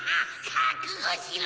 かくごしろ！